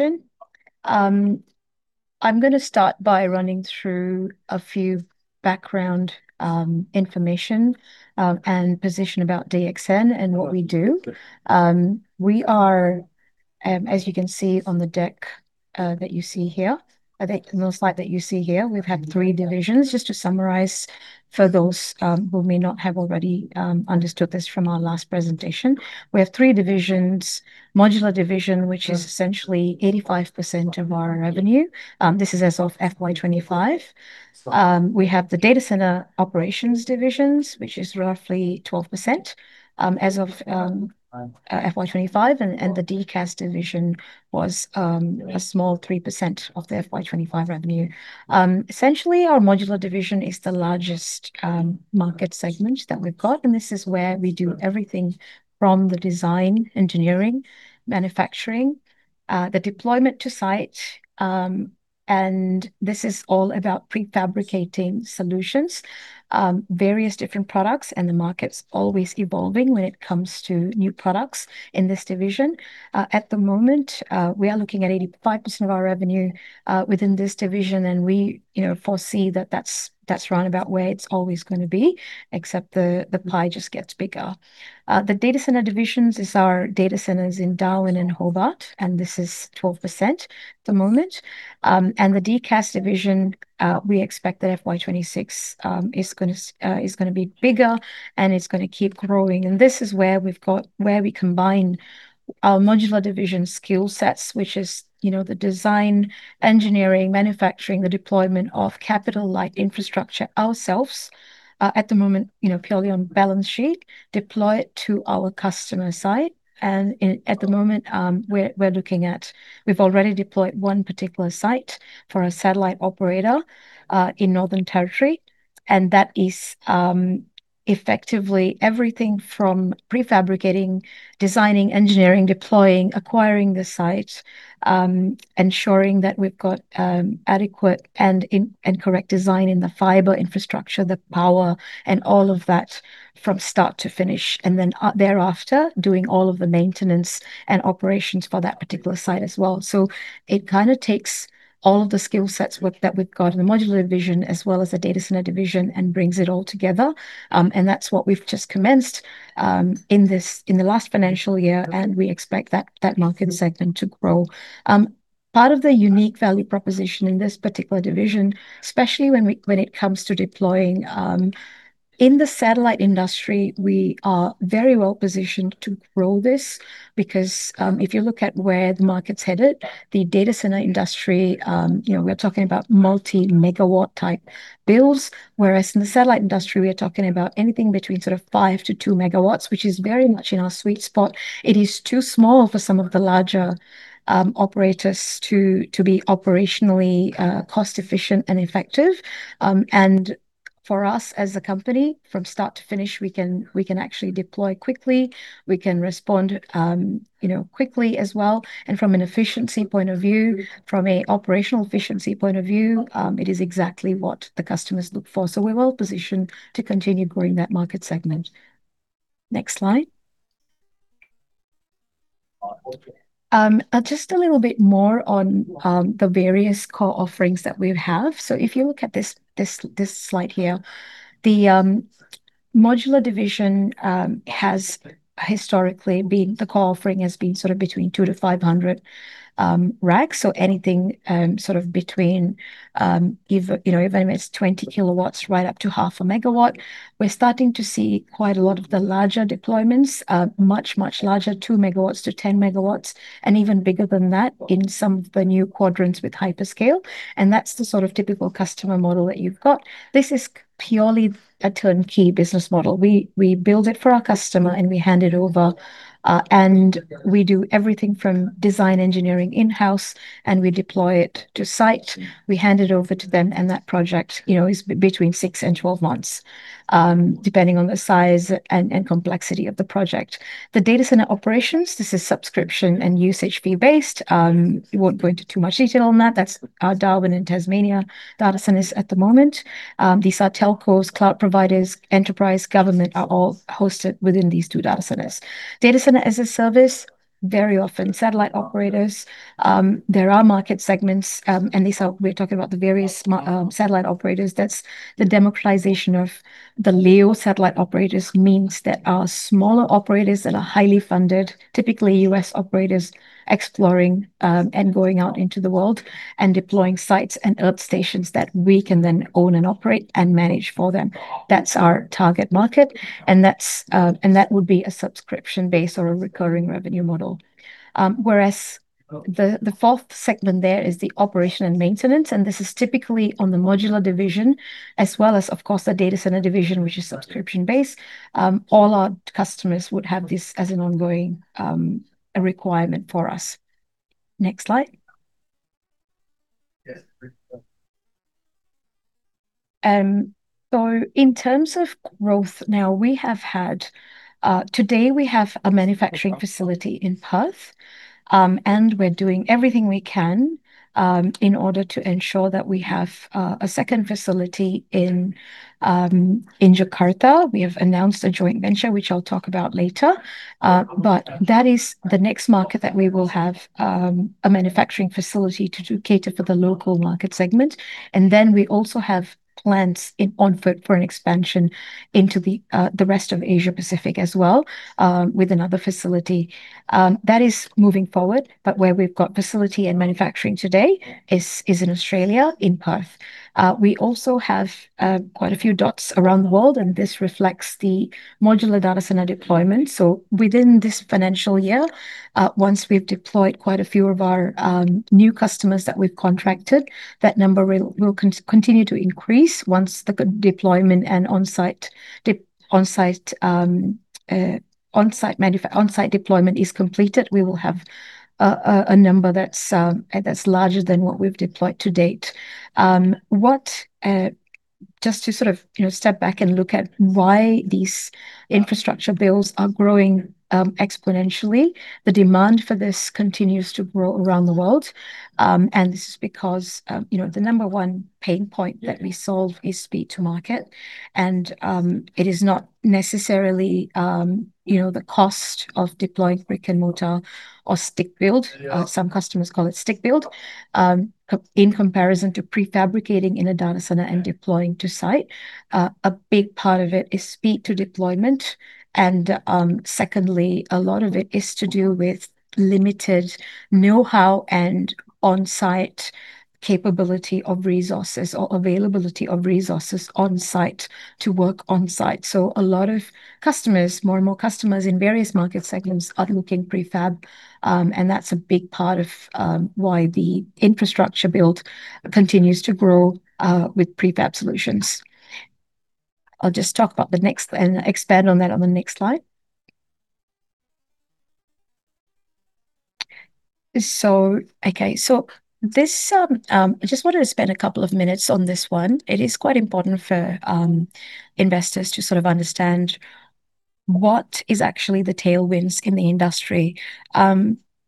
Sure. I'm gonna start by running through a few background, information, and position about DXN and what we do. We are, as you can see on the deck, that you see here, I think the little slide that you see here, we've had three divisions. Just to summarize for those, who may not have already, understood this from our last presentation, we have three divisions: modular division, which is essentially 85% of our revenue. This is as of FY 25. We have the data center operations divisions, which is roughly 12%, as of FY 25, and, and the DCAS division was, a small 3% of the FY 25 revenue. Essentially, our Modular Division is the largest market segment that we've got, and this is where we do everything from the design, engineering, manufacturing, the deployment to site. And this is all about prefabricating solutions, various different products, and the market's always evolving when it comes to new products in this division. At the moment, we are looking at 85% of our revenue within this division, and we, you know, foresee that that's, that's round about where it's always gonna be, except the, the pie just gets bigger. The data center division is our data centers in Darwin and Hobart, and this is 12% at the moment. And the DCAS division, we expect that FY 2026 is gonna be bigger, and it's gonna keep growing. And this is where we've got where we combine our Modular Division skill sets, which is, you know, the design, engineering, manufacturing, the deployment of capital-like infrastructure ourselves, at the moment, you know, purely on balance sheet, deploy it to our customer site. And at the moment, we're looking at. We've already deployed one particular site for a satellite operator in Northern Territory, and that is effectively everything from prefabricating, designing, engineering, deploying, acquiring the site, ensuring that we've got adequate and correct design in the fiber infrastructure, the power, and all of that from start to finish, and then thereafter, doing all of the maintenance and operations for that particular site as well. So it kind of takes all of the skill sets with that we've got in the Modular Division, as well as the data center division, and brings it all together. And that's what we've just commenced, in the last financial year, and we expect that market segment to grow. Part of the unique value proposition in this particular division, especially when we, when it comes to deploying, in the satellite industry, we are very well positioned to grow this because, if you look at where the market's headed, the data center industry, you know, we're talking about multi-megawatt-type builds, whereas in the satellite industry, we're talking about anything between sort of 5-2 MW, which is very much in our sweet spot. It is too small for some of the larger operators to be operationally cost-efficient and effective. And for us as a company, from start to finish, we can actually deploy quickly. We can respond, you know, quickly as well. And from an efficiency point of view, from an operational efficiency point of view, it is exactly what the customers look for. So we're well positioned to continue growing that market segment. Next slide. Just a little bit more on the various core offerings that we have. So if you look at this slide here, the Modular Division has historically been, the core offering has been sort of between 2-500 racks. So anything sort of between, if you know, if anyone is 20 kW right up to 0.5 MW. We're starting to see quite a lot of the larger deployments, much, much larger, 2 MW - 10 MW, and even bigger than that in some of the new quadrants with hyperscale, and that's the sort of typical customer model that you've got. This is purely a turnkey business model. We build it for our customer, and we hand it over, and we do everything from design engineering in-house, and we deploy it to site. We hand it over to them, and that project, you know, is between 6 and 12 months, depending on the size and complexity of the project. The data center operations, this is subscription and usage fee-based. We won't go into too much detail on that. That's our Darwin and Tasmania data centers at the moment. These are telcos, cloud providers, enterprise, government, are all hosted within these two data centers. Data center as a service, very often satellite operators. There are market segments, and these are—we're talking about the various smart, satellite operators. That's the democratization of the LEO satellite operators means there are smaller operators that are highly funded, typically US operators, exploring, and going out into the world and deploying sites and earth stations that we can then own and operate and manage for them. That's our target market, and that's, and that would be a subscription-based or a recurring revenue model. Whereas the, the fourth segment there is the operation and maintenance, and this is typically on the Modular Division, as well as, of course, the data center division, which is subscription-based. All our customers would have this as an ongoing, a requirement for us. Next slide. So in terms of growth now, we have had, today we have a manufacturing facility in Perth, and we're doing everything we can, in order to ensure that we have, a second facility in, in Jakarta. We have announced a joint venture, which I'll talk about later, but that is the next market that we will have, a manufacturing facility to cater for the local market segment. And then we also have plans in on foot for an expansion into the, the rest of Asia Pacific as well, with another facility. That is moving forward, but where we've got facility and manufacturing today is in Australia, in Perth. We also have, quite a few dots around the world, and this reflects the modular data center deployment. So within this financial year, once we've deployed quite a few of our new customers that we've contracted, that number will continue to increase once the deployment and on-site deployment is completed, we will have a number that's larger than what we've deployed to date. Just to sort of, you know, step back and look at why these infrastructure builds are growing exponentially, the demand for this continues to grow around the world. And this is because, you know, the number one pain point that we solve is speed to market. And it is not necessarily, you know, the cost of deploying brick-and-mortar or stick build- Some customers call it stick build, in comparison to prefabricating in a data center and deploying to site. A big part of it is speed to deployment, and, secondly, a lot of it is to do with limited know-how and on-site capability of resources, or availability of resources on-site to work on-site. So a lot of customers, more and more customers in various market segments are looking prefab, and that's a big part of, why the infrastructure build continues to grow, with prefab solutions. I'll just talk about the next... and expand on that on the next slide. So okay, so this, I just wanted to spend a couple of minutes on this one. It is quite important for, investors to sort of understand what is actually the tailwinds in the industry.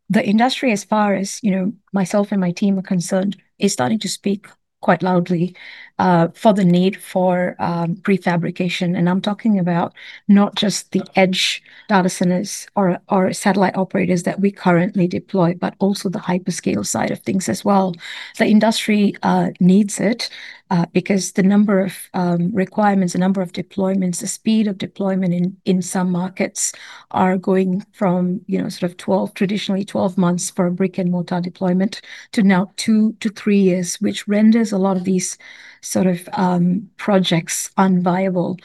The industry, as far as, you know, myself and my team are concerned, is starting to speak quite loudly for the need for prefabrication. I'm talking about not just the edge data centers or satellite operators that we currently deploy, but also the hyperscale side of things as well. The industry needs it because the number of requirements, the number of deployments, the speed of deployment in some markets are going from, you know, sort of 12, traditionally 12 months for a brick-and-mortar deployment to now 2-3 years, which renders a lot of these sort of projects unviable.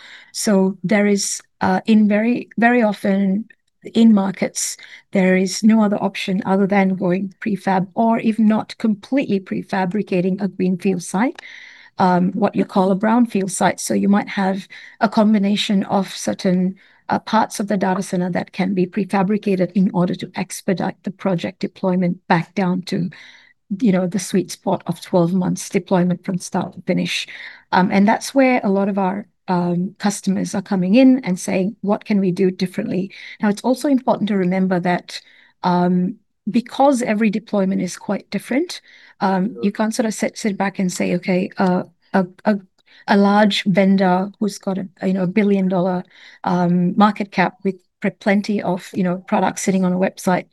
There is, in very, very often in markets, there is no other option other than going prefab or if not completely prefabricating a greenfield site, what you call a brownfield site. So you might have a combination of certain parts of the data center that can be prefabricated in order to expedite the project deployment back down to, you know, the sweet spot of 12 months deployment from start to finish. And that's where a lot of our customers are coming in and saying: "What can we do differently?" Now, it's also important to remember that because every deployment is quite different, you can't sort of sit back and say, "Okay, a large vendor who's got a, you know, a billion-dollar market cap with plenty of, you know, products sitting on a website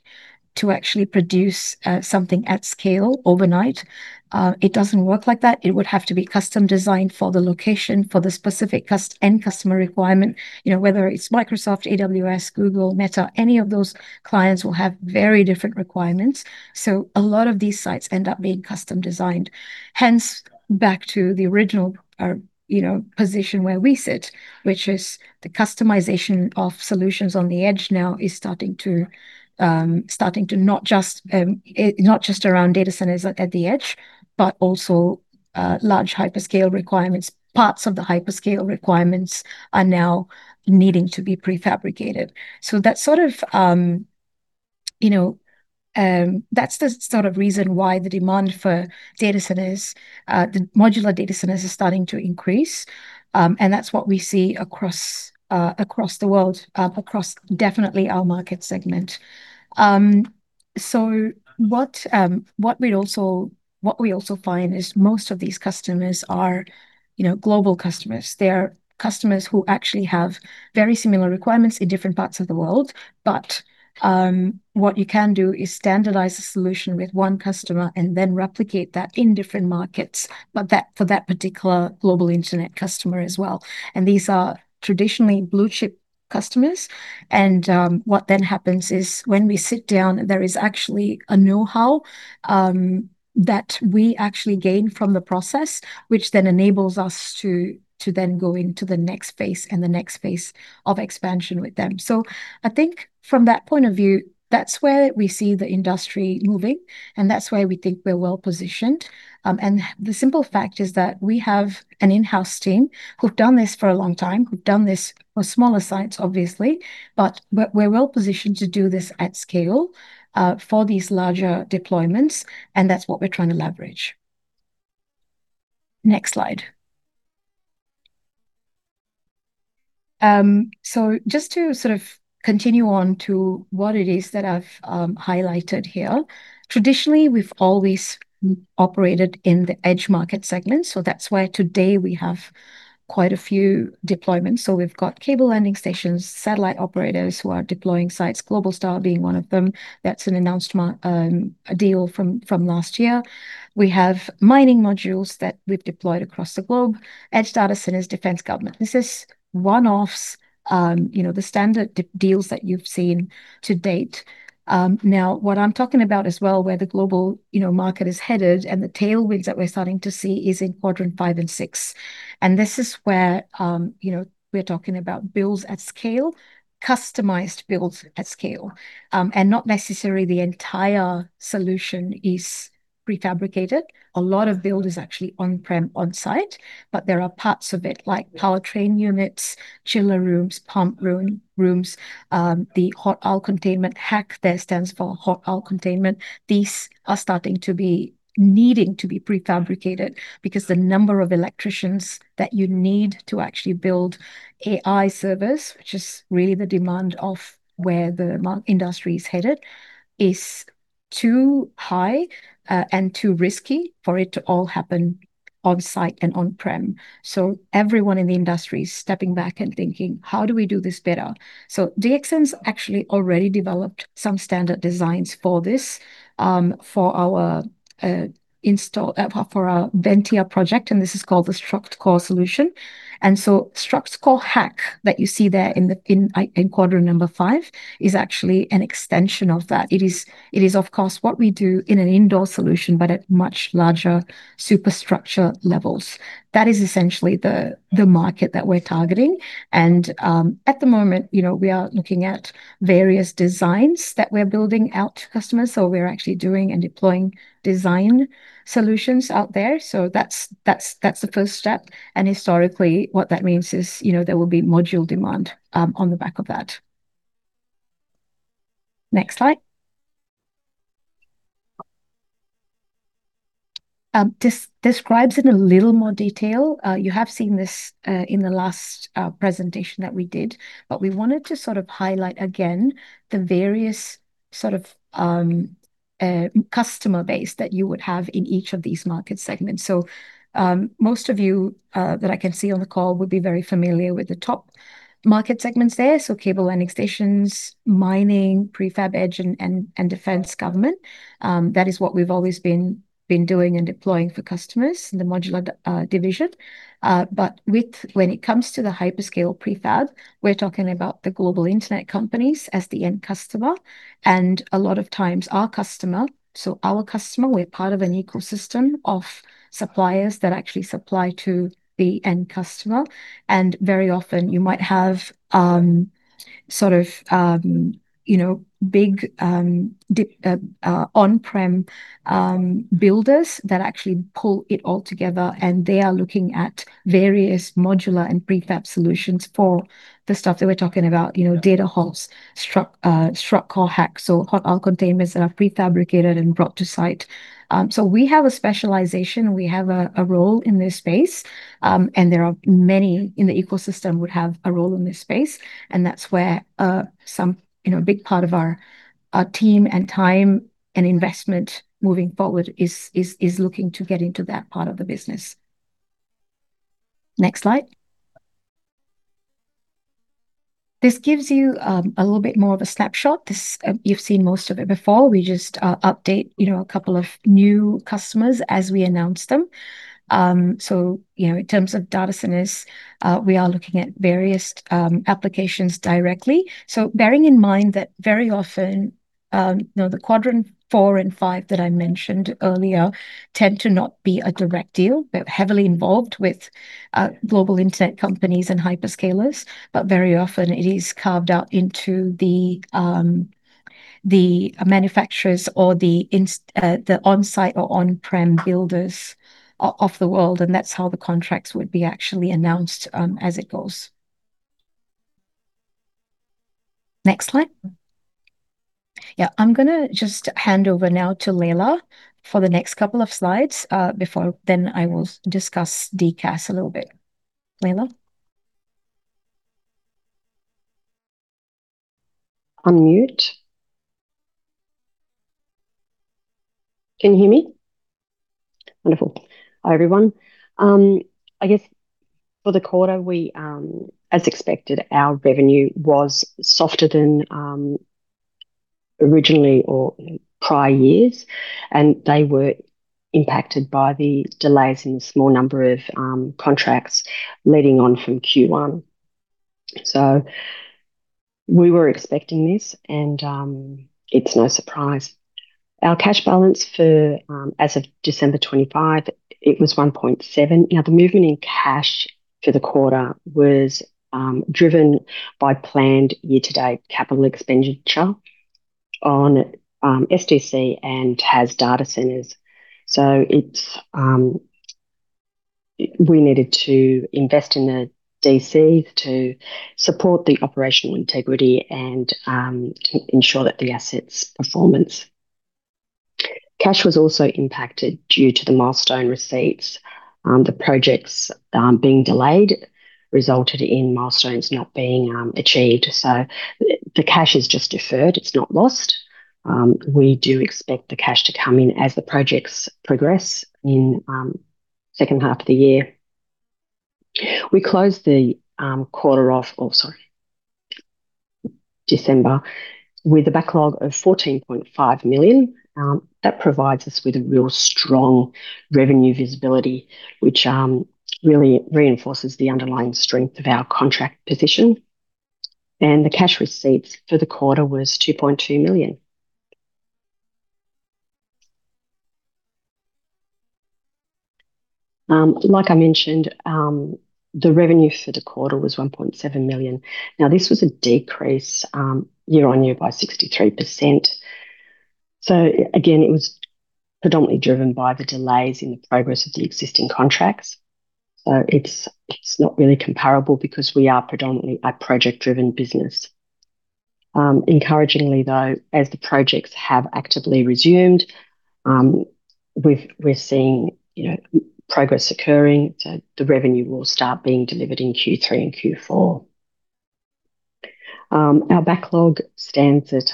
to actually produce something at scale overnight," it doesn't work like that. It would have to be custom-designed for the location, for the specific customer requirement, you know, whether it's Microsoft, AWS, Google, Meta, any of those clients will have very different requirements. So a lot of these sites end up being custom-designed. Hence, back to the original, you know, position where we sit, which is the customization of solutions on the edge now is starting to, starting to not just around data centers at the edge, but also large hyperscale requirements. Parts of the hyperscale requirements are now needing to be prefabricated. So that's sort of, you know, that's the sort of reason why the demand for data centers, the modular data centers are starting to increase, and that's what we see across, across the world, across definitely our market segment. What we also find is most of these customers are, you know, global customers. They are customers who actually have very similar requirements in different parts of the world. But what you can do is standardize the solution with one customer and then replicate that in different markets, but that for that particular global internet customer as well. And these are traditionally blue-chip customers, and what then happens is, when we sit down, there is actually a know-how that we actually gain from the process, which then enables us to then go into the next phase and the next phase of expansion with them. So I think from that point of view, that's where we see the industry moving, and that's where we think we're well-positioned. And the simple fact is that we have an in-house team who've done this for a long time, who've done this for smaller sites, obviously, but we're well positioned to do this at scale for these larger deployments, and that's what we're trying to leverage. Next slide. So just to sort of continue on to what it is that I've highlighted here. Traditionally, we've always operated in the edge market segment, so that's why today we have quite a few deployments. So we've got cable landing stations, satellite operators who are deploying sites, Globalstar being one of them. That's an announced deal from last year. We have mining modules that we've deployed across the globe, edge data centers, defense, government. This is one-offs, you know, the standard deals that you've seen to date. Now, what I'm talking about as well, where the global, you know, market is headed and the tailwinds that we're starting to see is in quadrant five and six, and this is where, you know, we're talking about builds at scale, customized builds at scale. And not necessarily the entire solution is prefabricated. A lot of build is actually on-prem, on-site, but there are parts of it, like powertrain units, chiller rooms, pump rooms, the hot aisle containment, HAC there stands for hot aisle containment. These are starting to be needing to be prefabricated because the number of electricians that you need to actually build AI servers, which is really the demand of where the industry is headed, is too high, and too risky for it to all happen on-site and on-prem. So everyone in the industry is stepping back and thinking: "How do we do this better?" So DXN has actually already developed some standard designs for this, for our, for our Ventia project, and this is called the StructCore solution. And so StructCore HAC that you see there in the, in, in quadrant number five, is actually an extension of that. It is, it is, of course, what we do in an indoor solution, but at much larger superstructure levels. That is essentially the, the market that we're targeting. And, at the moment, you know, we are looking at various designs that we're building out to customers, so we're actually doing and deploying design solutions out there. So that's the first step, and historically, what that means is, you know, there will be module demand on the back of that. Next slide. Describes in a little more detail. You have seen this in the last presentation that we did, but we wanted to sort of highlight again the various sort of customer base that you would have in each of these market segments. So, most of you that I can see on the call would be very familiar with the top market segments there, so cable landing stations, mining, prefab edge, and defense government. That is what we've always been doing and deploying for customers in the Modular Division. But when it comes to the hyperscale prefab, we're talking about the global internet companies as the end customer, and a lot of times our customer, so our customer, we're part of an ecosystem of suppliers that actually supply to the end customer, and very often you might have, sort of, you know, big on-prem builders that actually pull it all together, and they are looking at various modular and prefab solutions for the stuff that we're talking about, you know, data halls, StructCore HAC, so hot aisle containment that are prefabricated and brought to site. So we have a specialization, we have a role in this space, and there are many in the ecosystem would have a role in this space, and that's where, some, you know, a big part of our team and time and investment moving forward is looking to get into that part of the business. Next slide. This gives you a little bit more of a snapshot. This, you've seen most of it before. We just update, you know, a couple of new customers as we announce them. So, you know, in terms of data centers, we are looking at various applications directly. So bearing in mind that very often, you know, the quadrant four and five that I mentioned earlier tend to not be a direct deal, but heavily involved with, global internet companies and hyperscalers. But very often it is carved out into the, the manufacturers or the on-site or on-prem builders of the world, and that's how the contracts would be actually announced, as it goes. Next slide. Yeah, I'm going to just hand over now to Laila for the next couple of slides, before then I will discuss DCAS a little bit. Laila? Unmute. Can you hear me? Wonderful. Hi, everyone. I guess for the quarter, we, as expected, our revenue was softer than, originally or prior years, and they were impacted by the delays in a small number of, contracts leading on from Q1. So we were expecting this, and, it's no surprise. Our cash balance, as of December 25, it was 1.7. Now, the movement in cash for the quarter was, driven by planned year-to-date capital expenditure on, SDC and TAS data centers. So it's, we needed to invest in a DC to support the operational integrity and, ensure that the assets' performance. Cash was also impacted due to the milestone receipts. The projects, being delayed resulted in milestones not being, achieved. So the cash is just deferred, it's not lost. We do expect the cash to come in as the projects progress in second half of the year. We closed the quarter off. Oh, sorry, December, with a backlog of 14.5 million. That provides us with a real strong revenue visibility, which really reinforces the underlying strength of our contract position, and the cash receipts for the quarter was 2.2 million. Like I mentioned, the revenue for the quarter was 1.7 million. Now, this was a decrease year-on-year by 63%. So again, it was predominantly driven by the delays in the progress of the existing contracts. So it's not really comparable because we are predominantly a project-driven business. Encouragingly, though, as the projects have actively resumed, we're seeing, you know, progress occurring, so the revenue will start being delivered in Q3 and Q4. Our backlog stands at,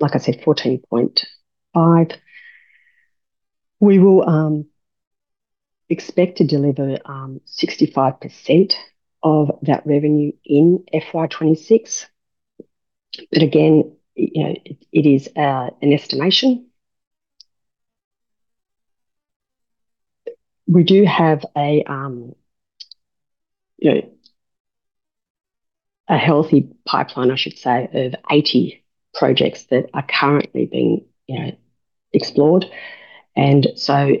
like I said, 14.5. We will expect to deliver 65% of that revenue in FY 2026. But again, you know, it is an estimation. We do have a, you know, a healthy pipeline, I should say, of 80 projects that are currently being, you know, explored. So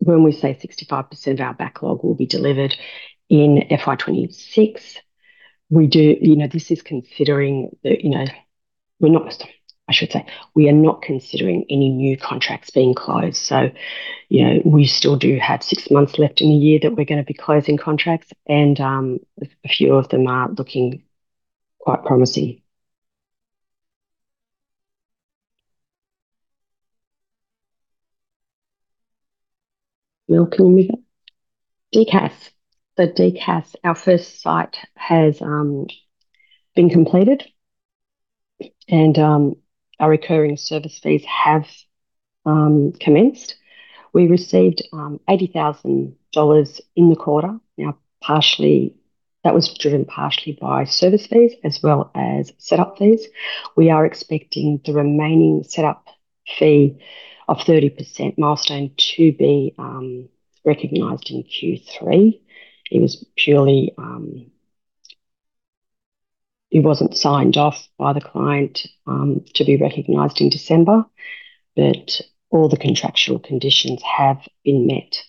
when we say 65% of our backlog will be delivered in FY 2026, you know, this is considering that, you know, we're not-- I should say, we are not considering any new contracts being closed. So, you know, we still do have six months left in the year that we're going to be closing contracts, and a few of them are looking quite promising. Well, can we move it? DCAS. The DCAS, our first site has been completed, and our recurring service fees have commenced. We received 80,000 dollars in the quarter. Now, partially, that was driven partially by service fees as well as setup fees. We are expecting the remaining setup fee of 30% milestone to be recognized in Q3. It was purely, it wasn't signed off by the client to be recognized in December, but all the contractual conditions have been met.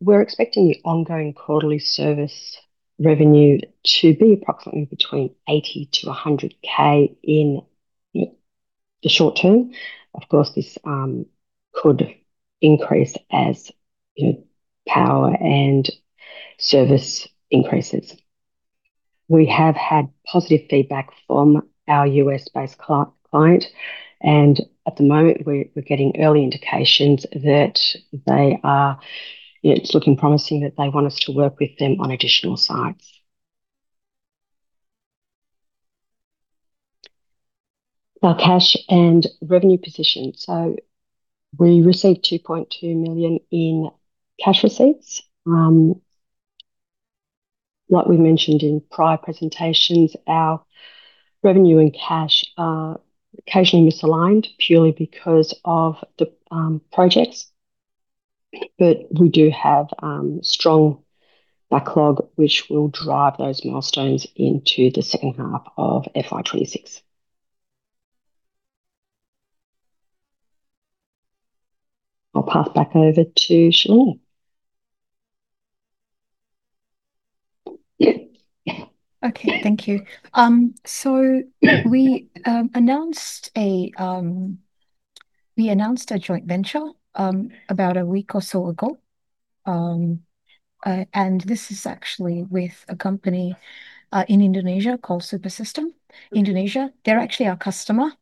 We're expecting the ongoing quarterly service revenue to be approximately between 80,000-100,000 in the short term. Of course, this could increase as, you know, power and service increases. We have had positive feedback from our US-based client, and at the moment, we're getting early indications that they are, you know, it's looking promising that they want us to work with them on additional sites. Our cash and revenue position. So we received 2.2 million in cash receipts. Like we mentioned in prior presentations, our revenue and cash are occasionally misaligned purely because of the projects, but we do have strong backlog, which will drive those milestones into the second half of FY 2026. I'll pass back over to Shalini. Yeah. Okay, thank you. So we announced a joint venture about a week or so ago. And this is actually with a company in Indonesia called Super Sistem Indonesia. They're actually our customer,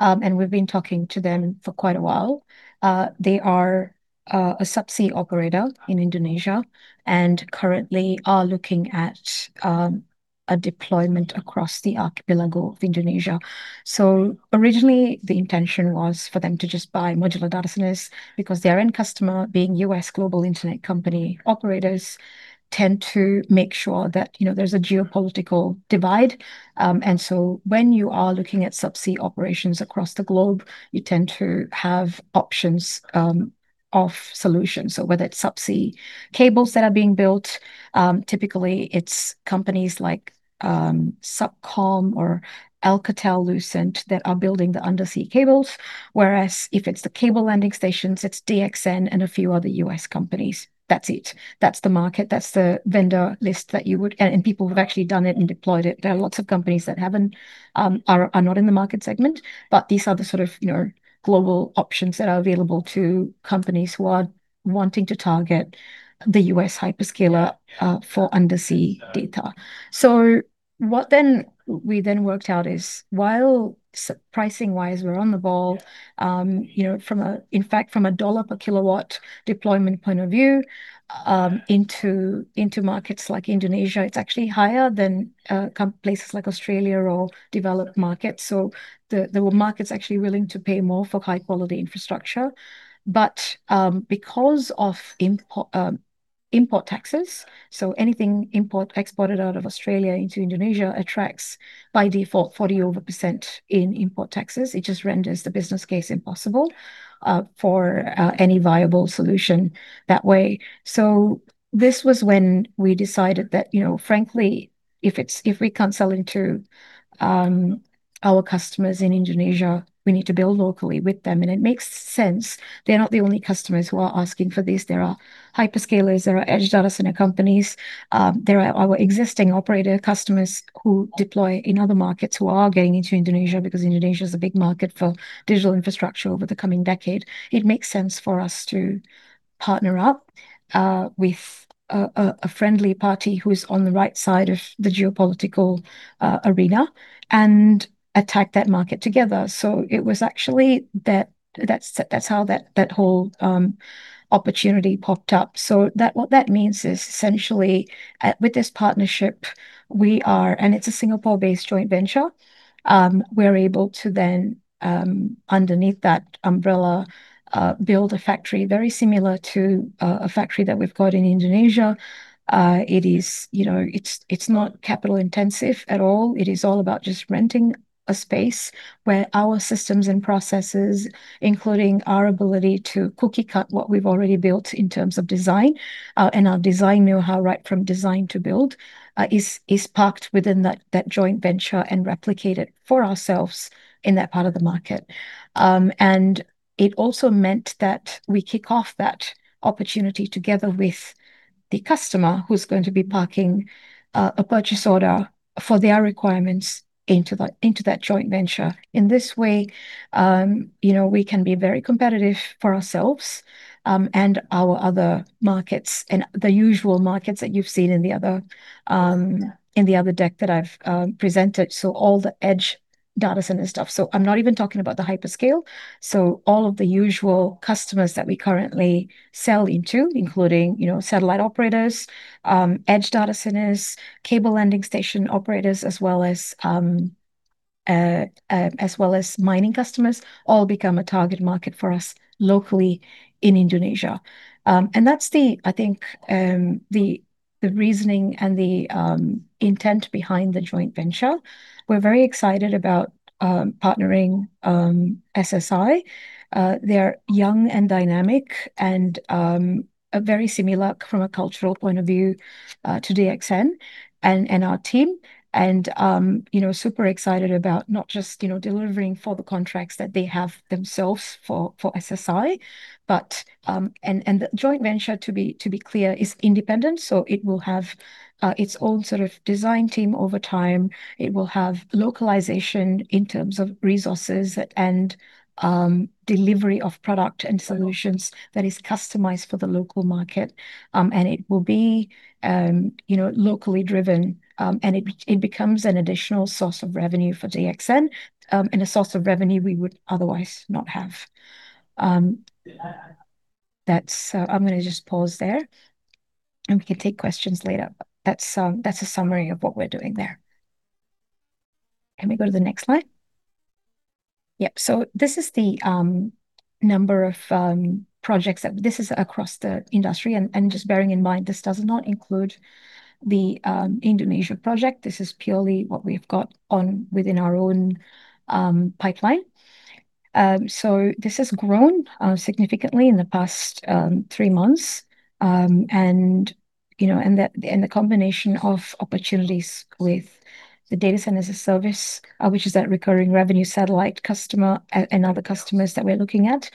and we've been talking to them for quite a while. They are a subsea operator in Indonesia and currently are looking at a deployment across the archipelago of Indonesia. So originally, the intention was for them to just buy modular data centers because their end customer, being a U.S. global internet company, operators, tend to make sure that, you know, there's a geopolitical divide. And so when you are looking at subsea operations across the globe, you tend to have options of solutions. So whether it's subsea cables that are being built, typically it's companies like SubCom or Alcatel-Lucent that are building the undersea cables, whereas if it's the cable landing stations, it's DXN and a few other U.S. companies. That's it. That's the market, that's the vendor list that you would... And people who've actually done it and deployed it. There are lots of companies that haven't, are not in the market segment, but these are the sort of, you know, global options that are available to companies who are wanting to target the U.S. hyperscaler-... for undersea data. So what then, we then worked out is while pricing-wise, we're on the ball-... you know, in fact, from a $1 per kW deployment point of view, into markets like Indonesia, it's actually higher than comparable places like Australia or developed markets. So there were markets actually willing to pay more for high-quality infrastructure. But because of import taxes, so anything exported out of Australia into Indonesia attracts, by default, over 40% in import taxes. It just renders the business case impossible for any viable solution that way. So this was when we decided that, you know, frankly, if we can't sell into our customers in Indonesia, we need to build locally with them, and it makes sense. They're not the only customers who are asking for this. There are hyperscalers, there are edge data center companies. There are our existing operator customers who deploy in other markets who are getting into Indonesia, because Indonesia is a big market for digital infrastructure over the coming decade. It makes sense for us to partner up with a friendly party who is on the right side of the geopolitical arena, and attack that market together. So it was actually that. That's how that whole opportunity popped up. So that, what that means is essentially, with this partnership, we are, and it's a Singapore-based joint venture. We're able to then, underneath that umbrella, build a factory very similar to a factory that we've got in Indonesia. It is, you know, it's not capital-intensive at all. It is all about just renting a space where our systems and processes, including our ability to cookie-cut what we've already built in terms of design, and our design know-how, right from design to build, is parked within that joint venture and replicate it for ourselves in that part of the market. And it also meant that we kick off that opportunity together with the customer who's going to be parking a purchase order for their requirements into that joint venture. In this way, you know, we can be very competitive for ourselves, and our other markets, and the usual markets that you've seen in the other deck that I've presented. So all the edge data center stuff. So I'm not even talking about the hyperscale. So all of the usual customers that we currently sell into, including, you know, satellite operators, edge data centers, cable landing station operators, as well as mining customers, all become a target market for us locally in Indonesia. And that's the, I think, the reasoning and the intent behind the joint venture. We're very excited about partnering SSI. They are young and dynamic and are very similar from a cultural point of view to DXN and our team. And you know, super excited about not just, you know, delivering for the contracts that they have themselves for SSI, but. And the joint venture, to be clear, is independent, so it will have its own sort of design team over time. It will have localization in terms of resources and delivery of product and solutions that is customized for the local market. And it will be, you know, locally driven. And it becomes an additional source of revenue for DXN, and a source of revenue we would otherwise not have. That's... I'm gonna just pause there, and we can take questions later. But that's, that's a summary of what we're doing there. Can we go to the next slide? Yep. So this is the number of projects that... This is across the industry, and just bearing in mind, this does not include the Indonesia project. This is purely what we've got on within our own pipeline. So this has grown significantly in the past three months. you know, the combination of opportunities with the data center as a service, which is that recurring revenue satellite customer and other customers that we're looking at.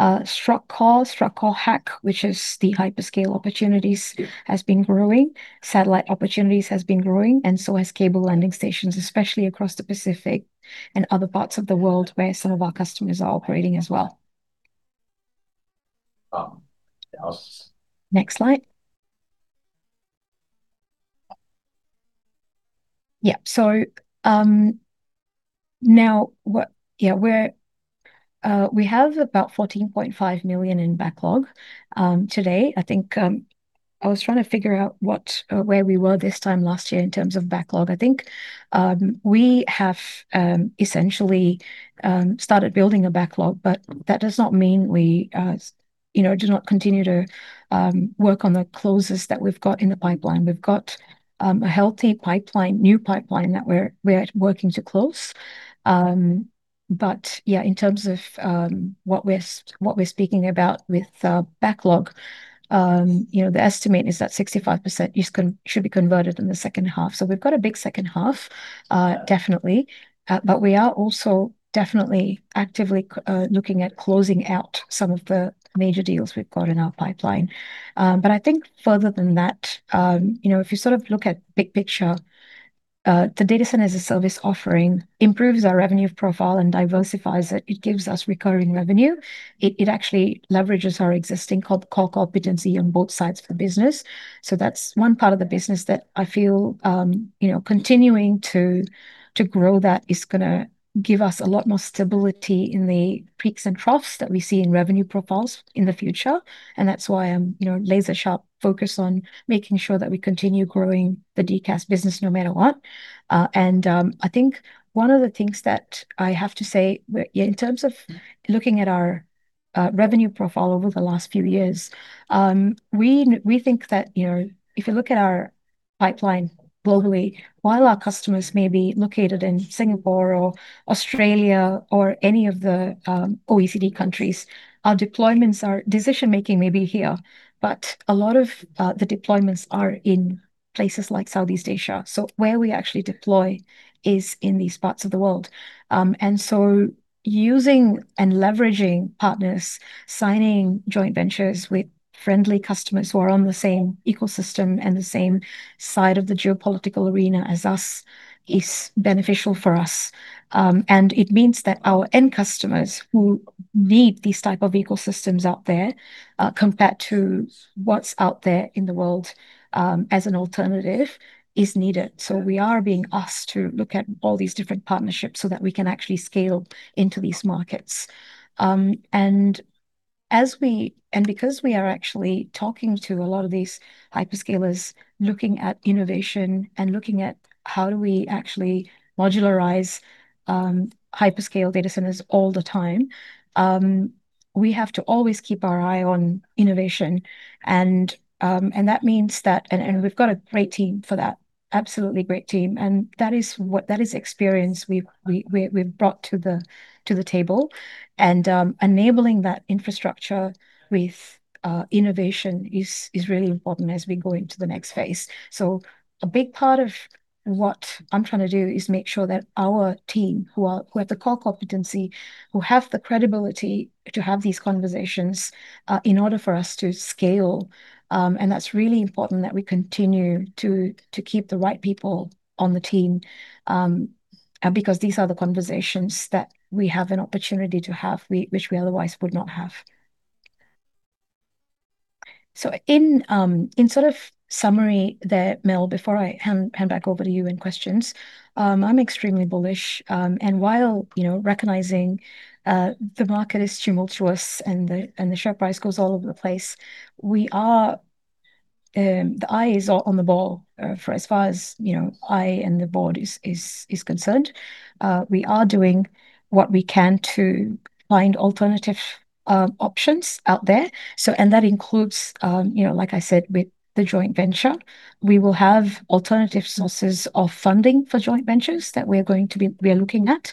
StructCore, StructCore HAC, which is the hyperscale opportunities, has been growing. Satellite opportunities has been growing, and so has cable landing stations, especially across the Pacific and other parts of the world where some of our customers are operating as well. Next slide. Yeah, so, now, we're, we have about 14.5 million in backlog, today. I think, I was trying to figure out what, where we were this time last year in terms of backlog. I think, we have, essentially, started building a backlog, but that does not mean we, you know, do not continue to, work on the closes that we've got in the pipeline. We've got, a healthy pipeline, new pipeline that we're, we're working to close. But yeah, in terms of, what we're speaking about with, backlog, you know, the estimate is that 65% should be converted in the second half. So we've got a big second half, definitely. But we are also definitely actively looking at closing out some of the major deals we've got in our pipeline. But I think further than that, you know, if you sort of look at big picture, the Data Center as a Service offering improves our revenue profile and diversifies it. It actually leverages our existing core, core competency on both sides of the business. So that's one part of the business that I feel, you know, continuing to grow that is going to give us a lot more stability in the peaks and troughs that we see in revenue profiles in the future, and that's why I'm, you know, laser-sharp focused on making sure that we continue growing the DCAS business no matter what. And, I think one of the things that I have to say, in terms of looking at our revenue profile over the last few years, we think that, you know, if you look at our pipeline globally, while our customers may be located in Singapore, or Australia, or any of the OECD countries, our deployments are decision-making may be here, but a lot of the deployments are in places like Southeast Asia. So where we actually deploy is in these parts of the world. And so using and leveraging partners, signing joint ventures with friendly customers who are on the same ecosystem and the same side of the geopolitical arena as us, is beneficial for us. It means that our end customers who need these type of ecosystems out there, compared to what's out there in the world, as an alternative, is needed. So we are being asked to look at all these different partnerships so that we can actually scale into these markets. And because we are actually talking to a lot of these hyperscalers, looking at innovation and looking at how do we actually modularize hyperscale data centers all the time, we have to always keep our eye on innovation. And that means that and we've got a great team for that. Absolutely great team, and that is what that is experience we've brought to the table. Enabling that infrastructure with innovation is really important as we go into the next phase. So a big part of what I'm trying to do is make sure that our team, who have the core competency, who have the credibility to have these conversations, in order for us to scale, and that's really important that we continue to keep the right people on the team. And because these are the conversations that we have an opportunity to have, which we otherwise would not have. So in sort of summary there, Mel, before I hand back over to you and questions, I'm extremely bullish. And while, you know, recognizing the market is tumultuous and the share price goes all over the place, we are, the eye is on the ball, for as far as, you know, I and the board is concerned. We are doing what we can to find alternative options out there. So that includes, you know, like I said, with the joint venture, we will have alternative sources of funding for joint ventures that we are looking at,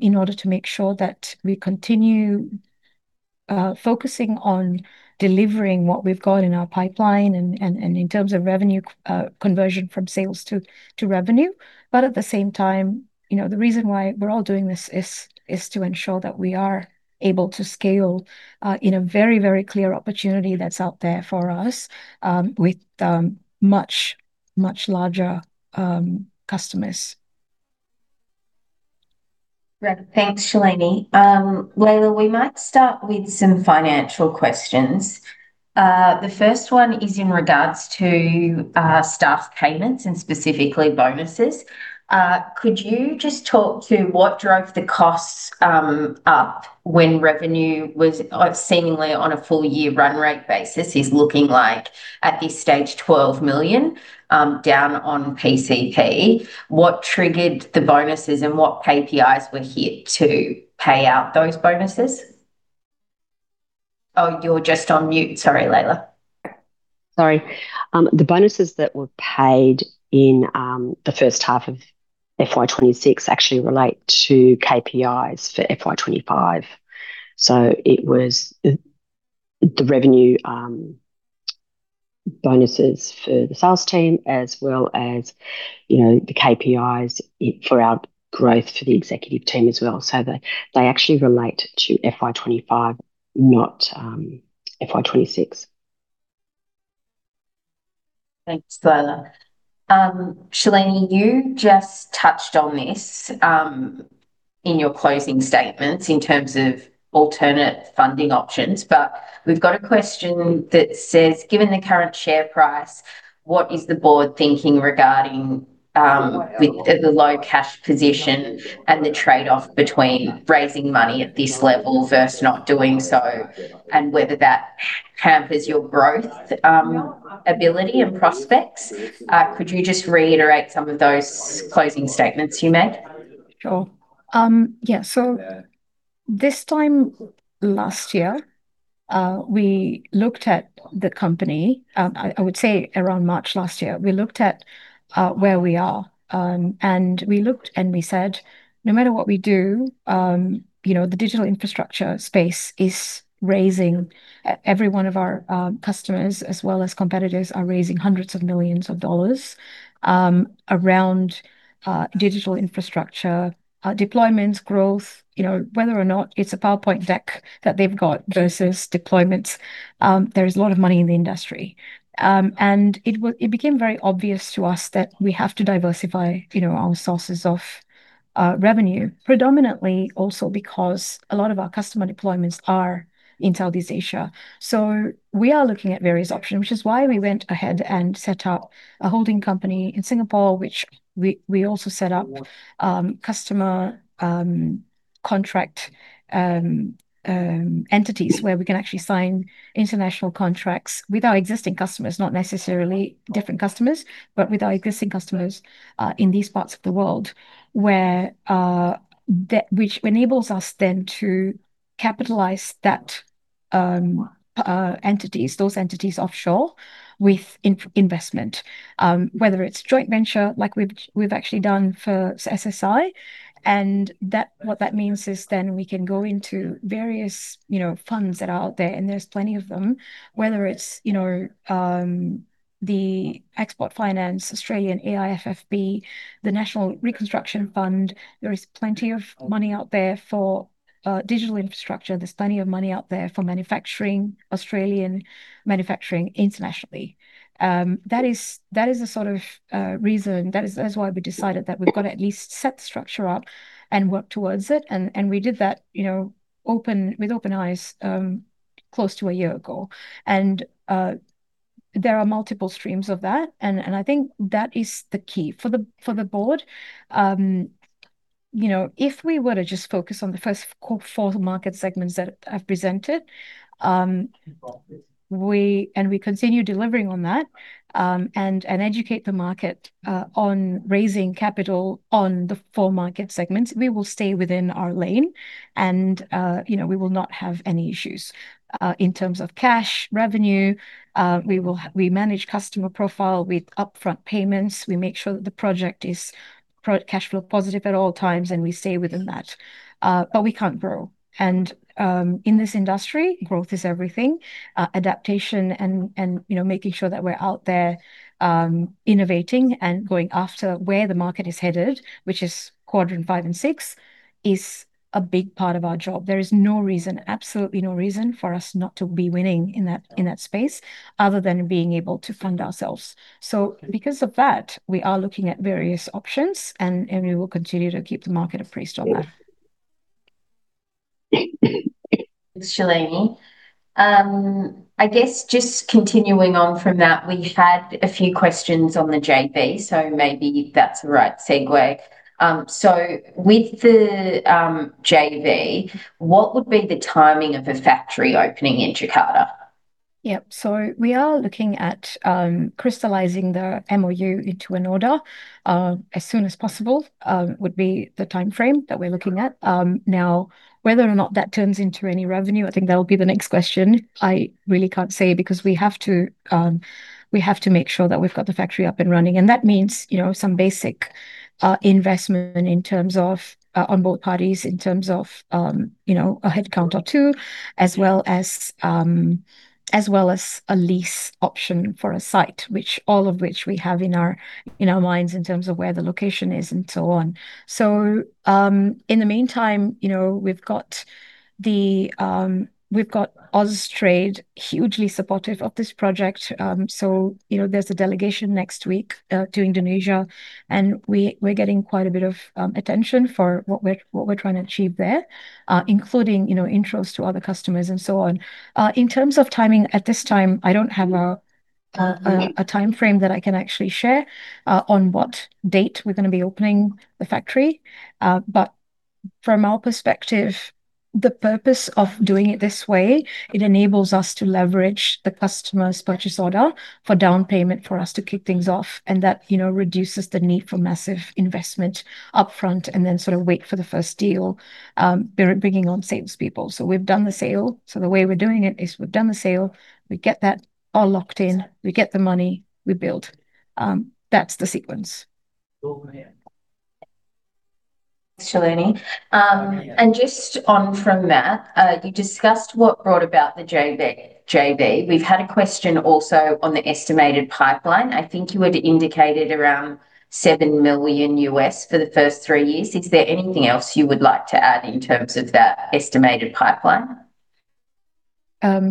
in order to make sure that we continue focusing on delivering what we've got in our pipeline and in terms of revenue conversion from sales to revenue. But at the same time, you know, the reason why we're all doing this is to ensure that we are able to scale in a very, very clear opportunity that's out there for us with much, much larger customers. Great. Thanks, Shalini. Laila, we might start with some financial questions. The first one is in regards to staff payments and specifically bonuses. Could you just talk to what drove the costs up when revenue was seemingly on a full year run rate basis is looking like at this stage, 12 million down on PCP? What triggered the bonuses, and what KPIs were hit to pay out those bonuses? Oh, you're just on mute. Sorry, Laila. Sorry. The bonuses that were paid in the first half of FY 26 actually relate to KPIs for FY 25. So it was the revenue bonuses for the sales team, as well as, you know, the KPIs for our growth for the executive team as well. So they actually relate to FY 25, not FY 26. Thanks, Laila. Shalini, you just touched on this in your closing statements in terms of alternate funding options, but we've got a question that says: "Given the current share price, what is the board thinking regarding with the low cash position and the trade-off between raising money at this level versus not doing so, and whether that hampers your growth ability and prospects?" Could you just reiterate some of those closing statements you made? Sure. Yeah, so this time last year, we looked at the company. I would say around March last year, we looked at where we are. And we looked and we said: "No matter what we do, you know, the digital infrastructure space is raising. Every one of our customers, as well as competitors, are raising hundreds of millions of dollars around digital infrastructure deployments, growth, you know, whether or not it's a PowerPoint deck that they've got versus deployments. There is a lot of money in the industry." And it became very obvious to us that we have to diversify, you know, our sources of revenue, predominantly also because a lot of our customer deployments are in Southeast Asia. So we are looking at various options, which is why we went ahead and set up a holding company in Singapore, which we also set up customer contract entities where we can actually sign international contracts with our existing customers, not necessarily different customers, but with our existing customers in these parts of the world. Where that which enables us then to capitalize those entities offshore with investment. Whether it's joint venture, like we've actually done for SSI, and that, what that means is then we can go into various, you know, funds that are out there, and there's plenty of them, whether it's, you know, the export finance, Australian EFIC, the National Reconstruction Fund. There is plenty of money out there for digital infrastructure. There's plenty of money out there for manufacturing, Australian manufacturing internationally. That is the sort of reason. That is why we decided that we've got to at least set the structure up and work towards it, and we did that, you know, openly, with open eyes, close to a year ago. And there are multiple streams of that, and I think that is the key. For the board, you know, if we were to just focus on the first four market segments that I've presented, we... we continue delivering on that, and educate the market on raising capital on the four market segments, we will stay within our lane, and you know, we will not have any issues. In terms of cash, revenue, we manage customer profile with upfront payments. We make sure that the project is pro-cash flow positive at all times, and we stay within that. But we can't grow, and in this industry, growth is everything. Adaptation and, you know, making sure that we're out there, innovating and going after where the market is headed, which is quadrant five and six, is a big part of our job. There is no reason, absolutely no reason for us not to be winning in that space, other than being able to fund ourselves. So because of that, we are looking at various options, and we will continue to keep the market appraised on that. Shalini. I guess just continuing on from that, we had a few questions on the JV, so maybe that's the right segue. So with the JV, what would be the timing of the factory opening in Jakarta? Yeah. So we are looking at crystallizing the MOU into an order as soon as possible would be the time frame that we're looking at. Now, whether or not that turns into any revenue, I think that will be the next question. I really can't say, because we have to, we have to make sure that we've got the factory up and running, and that means, you know, some basic investment in terms of on both parties, in terms of you know, a headcount or two, as well as as well as a lease option for a site, which all of which we have in our, in our minds in terms of where the location is and so on. So, in the meantime, you know, we've got the, we've got Austrade hugely supportive of this project. So, you know, there's a delegation next week to Indonesia, and we're getting quite a bit of attention for what we're trying to achieve there, including, you know, intros to other customers, and so on. In terms of timing, at this time, I don't have a time frame that I can actually share on what date we're going to be opening the factory. But from our perspective, the purpose of doing it this way, it enables us to leverage the customer's purchase order for down payment for us to kick things off, and that, you know, reduces the need for massive investment upfront and then sort of wait for the first deal, bringing on salespeople. So we've done the sale. The way we're doing it is we've done the sale, we get that all locked in, we get the money, we build. That's the sequence. Shalini, and just on from that, you discussed what brought about the JV. We've had a question also on the estimated pipeline. I think you had indicated around $7 million for the first three years. Is there anything else you would like to add in terms of that estimated pipeline?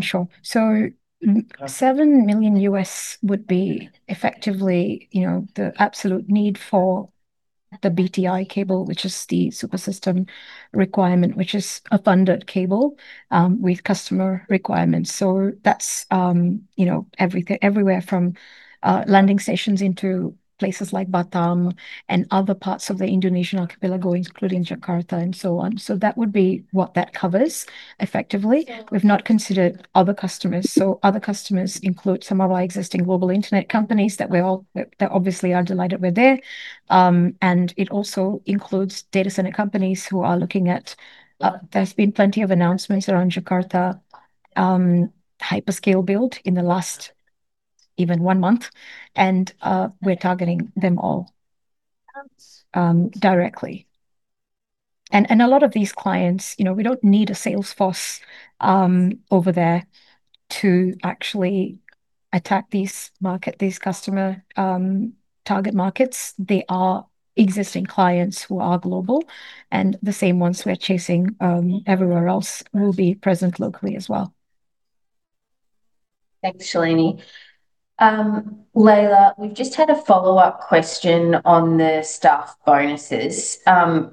Sure. So $7 million would be effectively, you know, the absolute need for the BTI cable, which is the Super Sistem requirement, which is a funded cable, with customer requirements. So that's, you know, everywhere from landing stations into places like Batam and other parts of the Indonesian archipelago, including Jakarta and so on. So that would be what that covers effectively. We've not considered other customers, so other customers include some of our existing global internet companies that obviously are delighted we're there. And it also includes data center companies who are looking at... There's been plenty of announcements around Jakarta, hyperscale build in the last even one month, and, we're targeting them all, directly. A lot of these clients, you know, we don't need a sales force over there to actually attack these markets, these customer target markets. They are existing clients who are global, and the same ones we're chasing everywhere else will be present locally as well. Thanks, Shalini. Laila, we've just had a follow-up question on the staff bonuses.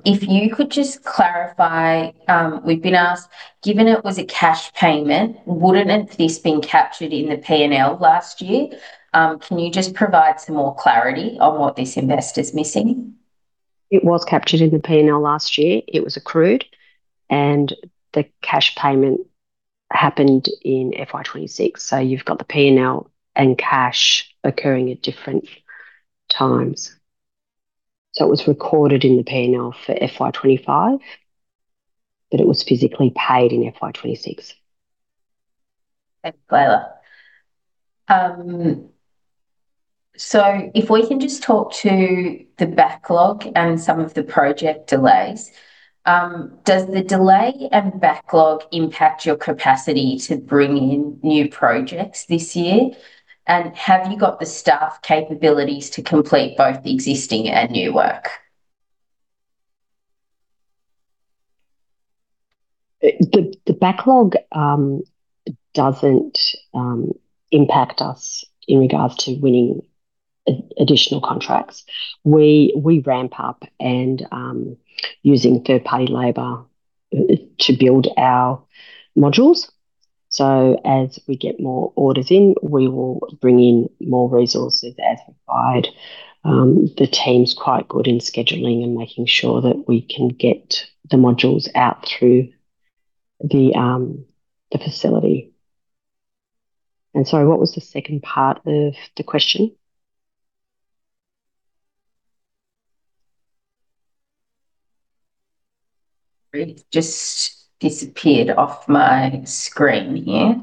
If you could just clarify, we've been asked, given it was a cash payment, wouldn't have this been captured in the P&L last year? Can you just provide some more clarity on what this investor is missing?... It was captured in the P&L last year. It was accrued, and the cash payment happened in FY 2026. So you've got the P&L and cash occurring at different times. So it was recorded in the P&L for FY 2025, but it was physically paid in FY 2026. Thanks, Laila. If we can just talk to the backlog and some of the project delays. Does the delay and backlog impact your capacity to bring in new projects this year? And have you got the staff capabilities to complete both the existing and new work? The backlog doesn't impact us in regards to winning additional contracts. We ramp up and using third-party labor to build our modules. So as we get more orders in, we will bring in more resources as required. The team's quite good in scheduling and making sure that we can get the modules out through the facility. Sorry, what was the second part of the question? It just disappeared off my screen here.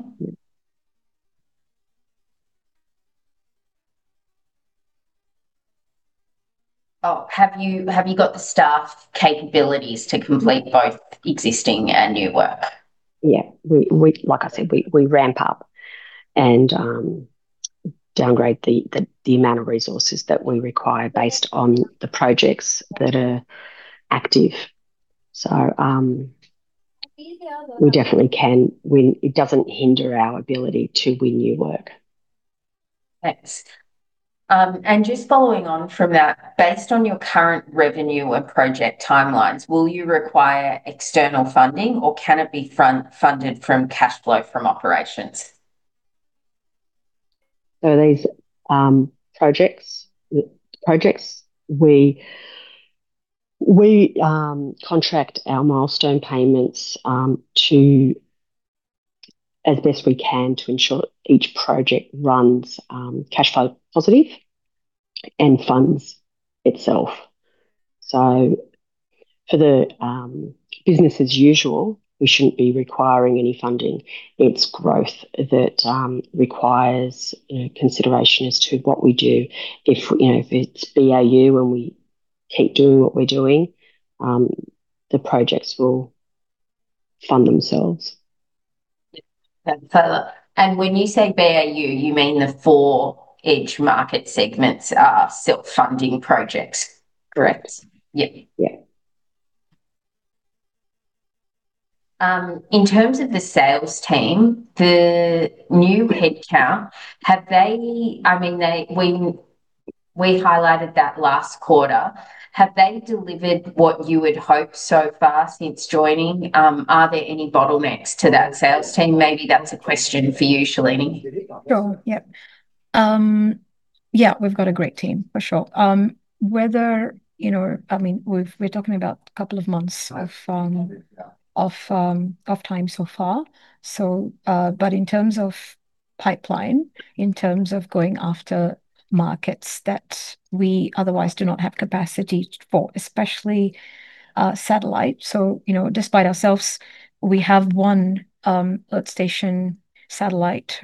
Oh, have you, have you got the staff capabilities to complete both existing and new work? Yeah. Like I said, we ramp up and downgrade the amount of resources that we require based on the projects that are active. So, we definitely can win. It doesn't hinder our ability to win new work. Thanks. And just following on from that, based on your current revenue and project timelines, will you require external funding, or can it be self-funded from cash flow from operations? So these projects, we contract our milestone payments to as best we can to ensure each project runs cash flow positive and funds itself. So for the business as usual, we shouldn't be requiring any funding. It's growth that requires, you know, consideration as to what we do. If, you know, if it's BAU and we keep doing what we're doing, the projects will fund themselves. Yep. When you say BAU, you mean the four edge market segments are self-funding projects? Correct. Yeah. Yeah. In terms of the sales team, the new headcount, I mean, we highlighted that last quarter. Have they delivered what you would hope so far since joining? Are there any bottlenecks to that sales team? Maybe that's a question for you, Shalini. Sure. Yeah. Yeah, we've got a great team, for sure. You know, I mean, we're talking about a couple of months of time so far. So, but in terms of pipeline, in terms of going after markets that we otherwise do not have capacity for, especially satellite. So, you know, despite ourselves, we have one earth station satellite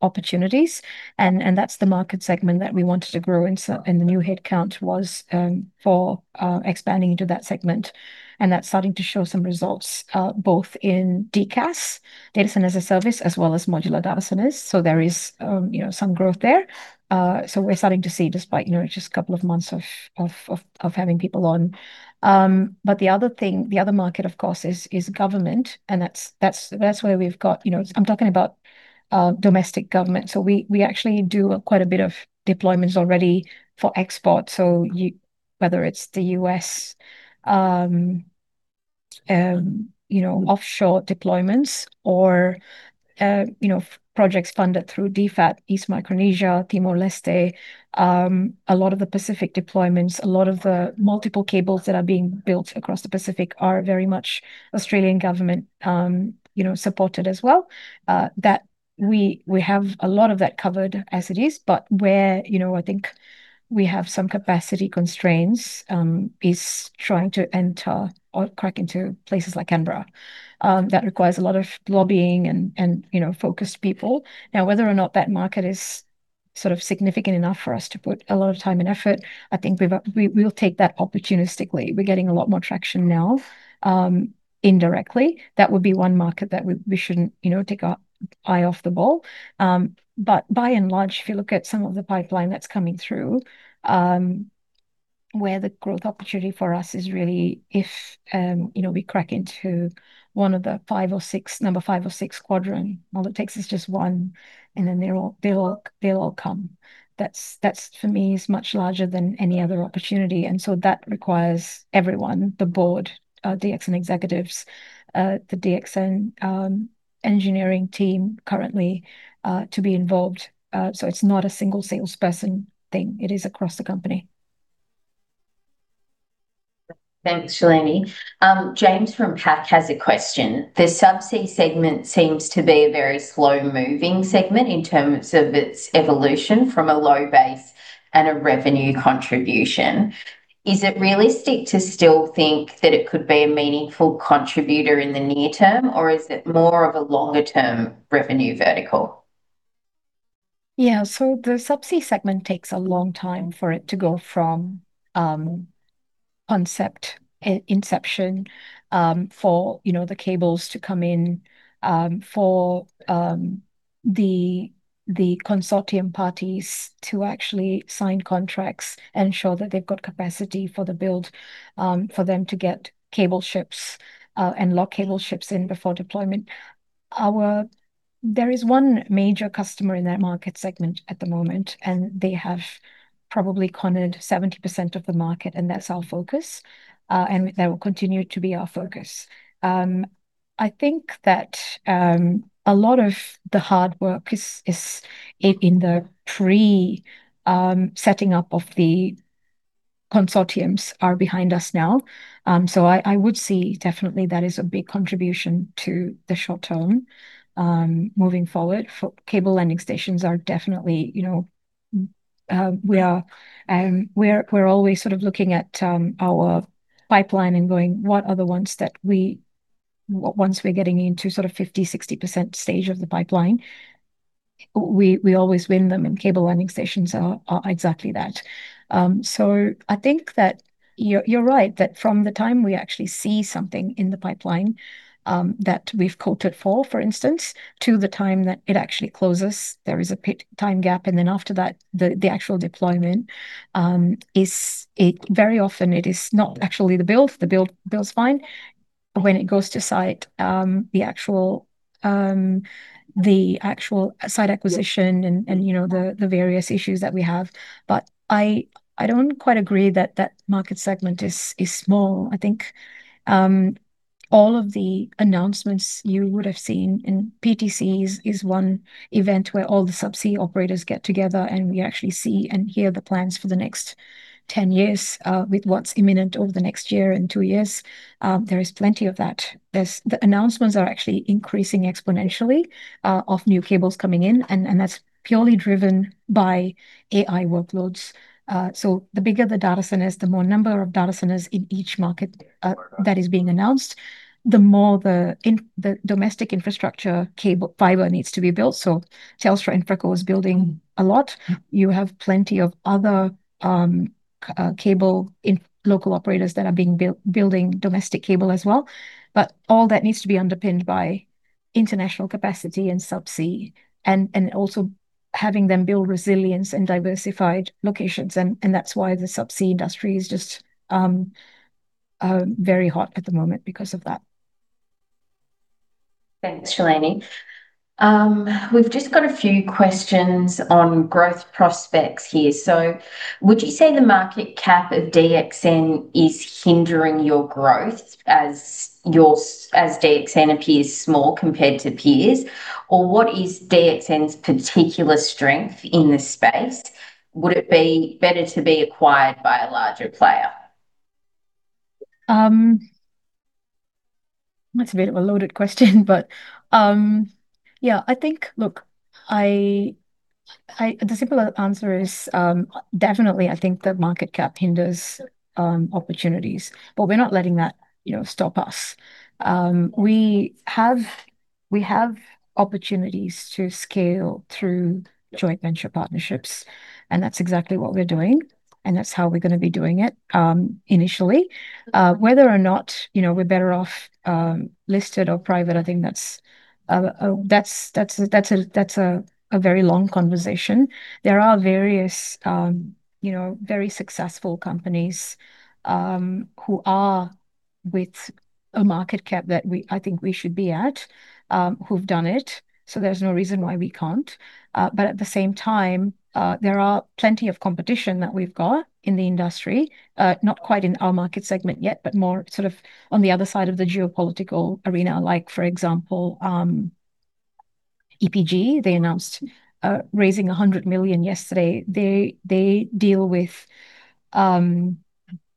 opportunities, and that's the market segment that we wanted to grow. And so, the new headcount was for expanding into that segment, and that's starting to show some results, both in DCAS, data center as a service, as well as modular data centers. So there is, you know, some growth there. So we're starting to see, despite, you know, just a couple of months of having people on. But the other thing, the other market, of course, is government, and that's where we've got... You know, I'm talking about domestic government. So we actually do quite a bit of deployments already for export. So whether it's the U.S., you know, offshore deployments or, you know, projects funded through DFAT, East Micronesia, Timor-Leste, a lot of the Pacific deployments, a lot of the multiple cables that are being built across the Pacific are very much Australian government supported as well. That we have a lot of that covered as it is, but where, you know, I think we have some capacity constraints is trying to enter or crack into places like Canberra. That requires a lot of lobbying and, you know, focused people. Now, whether or not that market is sort of significant enough for us to put a lot of time and effort, I think we've we'll take that opportunistically. We're getting a lot more traction now, indirectly. That would be one market that we shouldn't, you know, take our eye off the ball. But by and large, if you look at some of the pipeline that's coming through, where the growth opportunity for us is really if, you know, we crack into one of the five or six, number five or six quadrant, all it takes is just one, and then they'll all come. That's for me is much larger than any other opportunity, and so that requires everyone, the board, DXN executives, the DXN engineering team currently to be involved. So it's not a single salesperson thing, it is across the company. ... Thanks, Shalini. James from PAC has a question: "The subsea segment seems to be a very slow-moving segment in terms of its evolution from a low base and a revenue contribution. Is it realistic to still think that it could be a meaningful contributor in the near term, or is it more of a longer-term revenue vertical? Yeah. So the subsea segment takes a long time for it to go from concept, inception, for, you know, the cables to come in, for the consortium parties to actually sign contracts and show that they've got capacity for the build, for them to get cable ships and lock cable ships in before deployment. There is one major customer in that market segment at the moment, and they have probably cornered 70% of the market, and that's our focus, and that will continue to be our focus. I think that a lot of the hard work is in the pre-setting up of the consortiums are behind us now. So I would see definitely that is a big contribution to the short term. Moving forward, cable landing stations are definitely, you know, we are... We're always sort of looking at our pipeline and going, what are the ones that, once we're getting into sort of 50%-60% stage of the pipeline, we always win them, and cable landing stations are exactly that. So I think that you're right, that from the time we actually see something in the pipeline that we've quoted for, for instance, to the time that it actually closes, there is a pretty time gap, and then after that, the actual deployment very often it is not actually the build. The build's fine. When it goes to site, the actual site acquisition and, you know, the various issues that we have. But I don't quite agree that that market segment is small. I think, all of the announcements you would have seen, and PTC is one event where all the subsea operators get together, and we actually see and hear the plans for the next 10 years, with what's imminent over the next year and 2 years. There is plenty of that. There's the announcements are actually increasing exponentially, of new cables coming in, and that's purely driven by AI workloads. So the bigger the data center is, the more number of data centers in each market, that is being announced, the more the domestic infrastructure cable-fiber needs to be built. So Telstra InfraCo is building a lot. You have plenty of other, cable and local operators that are being built, building domestic cable as well. But all that needs to be underpinned by international capacity and subsea, and also having them build resilience in diversified locations, and that's why the subsea industry is just very hot at the moment because of that. Thanks, Shalini. We've just got a few questions on growth prospects here. So would you say the market cap of DXN is hindering your growth as DXN appears small compared to peers? Or what is DXN's particular strength in this space? Would it be better to be acquired by a larger player? That's a bit of a loaded question, but, yeah, I think... Look, the simple answer is, definitely, I think the market cap hinders opportunities, but we're not letting that, you know, stop us. We have opportunities to scale through joint venture partnerships, and that's exactly what we're doing, and that's how we're going to be doing it, initially. Whether or not, you know, we're better off listed or private, I think that's a very long conversation. There are various, you know, very successful companies who are with a market cap that I think we should be at, who've done it, so there's no reason why we can't. But at the same time, there are plenty of competition that we've got in the industry, not quite in our market segment yet, but more sort of on the other side of the geopolitical arena, like, for example, EPG. They announced raising $100 million yesterday. They deal with...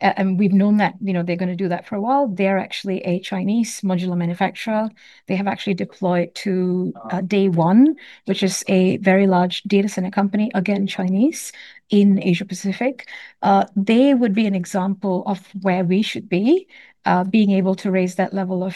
and we've known that, you know, they're going to do that for a while. They're actually a Chinese modular manufacturer. They have actually deployed to DayOne, which is a very large data center company, again, Chinese, in Asia Pacific. They would be an example of where we should be being able to raise that level of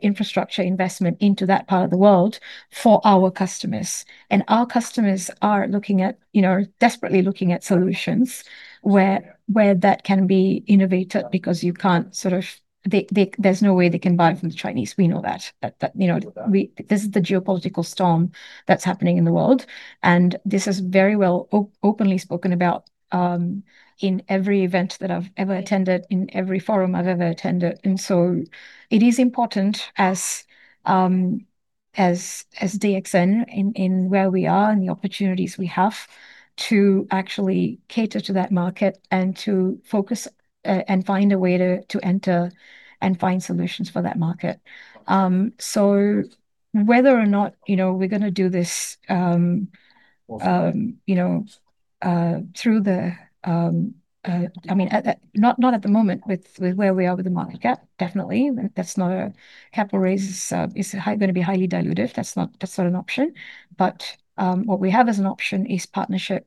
infrastructure investment into that part of the world for our customers. And our customers are looking at, you know, desperately looking at solutions where that can be innovated because you can't sort of. They, there's no way they can buy from the Chinese. We know that, you know, this is the geopolitical storm that's happening in the world, and this is very well openly spoken about in every event that I've ever attended, in every forum I've ever attended. And so it is important as DXN, in where we are and the opportunities we have, to actually cater to that market and to focus, and find a way to enter and find solutions for that market. So whether or not, you know, we're going to do this, you know. I mean, not at the moment with where we are with the market cap, definitely. That's not a capital raise, is gonna be highly dilutive. That's not an option. But what we have as an option is partnership,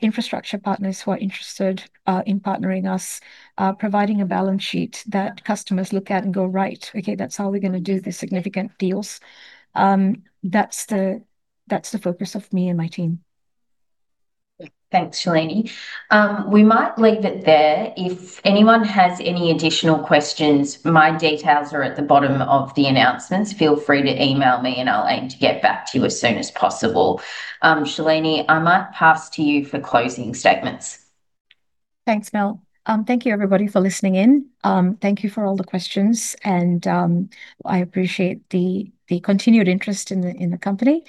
infrastructure partners who are interested in partnering us, providing a balance sheet that customers look at and go, "Right, okay, that's how we're gonna do the significant deals." That's the focus of me and my team. Thanks, Shalini. We might leave it there. If anyone has any additional questions, my details are at the bottom of the announcements. Feel free to email me, and I'll aim to get back to you as soon as possible. Shalini, I might pass to you for closing statements. Thanks, Mel. Thank you everybody for listening in. Thank you for all the questions, and I appreciate the continued interest in the company.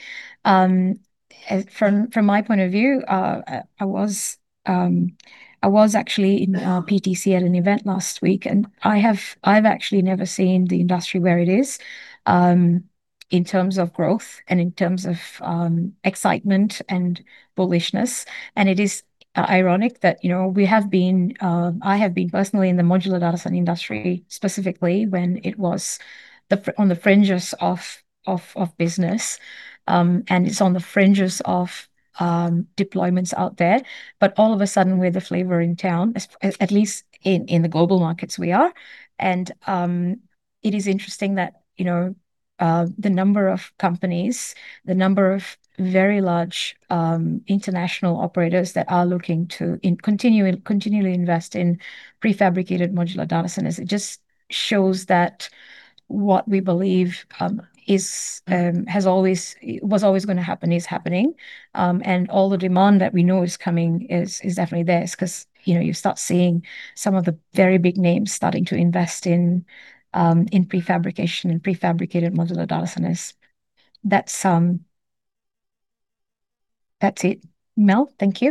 From my point of view, I was actually in PTC at an event last week, and I've actually never seen the industry where it is in terms of growth and in terms of excitement and bullishness. And it is ironic that, you know, we have been. I have been personally in the modular data center industry, specifically when it was on the fringes of business. And it's on the fringes of deployments out there. But all of a sudden, we're the flavor in town, at least in the global markets we are. It is interesting that, you know, the number of companies, the number of very large, international operators that are looking to continually, continually invest in prefabricated modular data centers, it just shows that what we believe, is, has always, was always gonna happen, is happening. And all the demand that we know is coming is, is definitely there. It's 'cause, you know, you start seeing some of the very big names starting to invest in, in prefabrication and prefabricated modular data centers. That's, that's it. Mel, thank you.